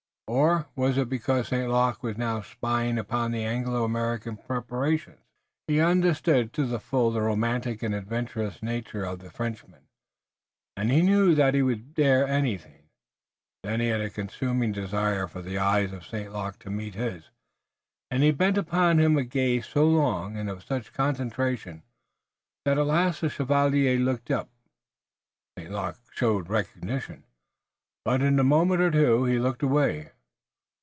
Or was it because St. Luc was now spying upon the Anglo American preparations? He understood to the full the romantic and adventurous nature of the Frenchman, and knew that he would dare anything. Then he had a consuming desire for the eyes of St. Luc to meet his, and he bent upon him a gaze so long, and of such concentration, that at last the chevalier looked up. St. Luc showed recognition, but in a moment or two he looked away.